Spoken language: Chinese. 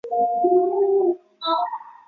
最近也开始制作栗林美奈实等人的乐曲。